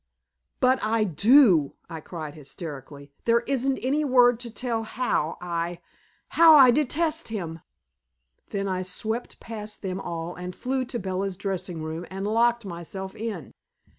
"But I do!" I cried hysterically. "There isn't any word to tell how I how I detest him." Then I swept past them all and flew to Bella's dressing room and locked myself in.